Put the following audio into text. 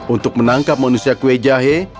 untuk menangkap manusia kue jahe